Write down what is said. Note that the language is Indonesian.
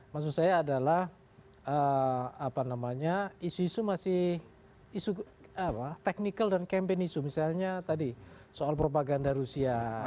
maksud saya adalah isu isu masih isu technical dan campaign isu misalnya tadi soal propaganda rusia